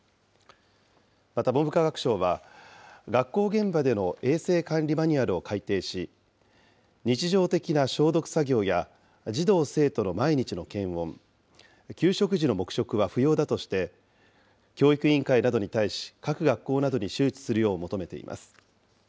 また文部科学省は、学校現場での衛生管理マニュアルを改定し、日常的な消毒作業や児童・生徒の毎日の検温、給食時の黙食は不要だとして、教育委員会などに対し、各学校などに周知するよう求めています。